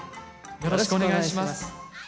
よろしくお願いします。